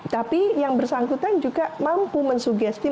tapi yang bersangkutan juga mampu mensugesti